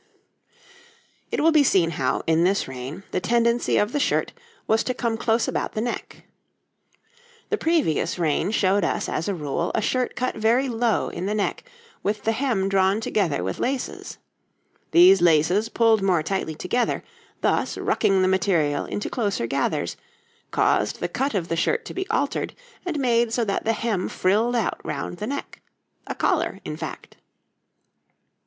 It will be seen how, in this reign, the tendency of the shirt was to come close about the neck. The previous reign showed us, as a rule, a shirt cut very low in the neck, with the hem drawn together with laces; these laces pulled more tightly together, thus rucking the material into closer gathers, caused the cut of the shirt to be altered and made so that the hem frilled out round the neck a collar, in fact.